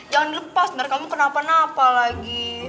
jangan dilepas nanti kamu kenapa napa lagi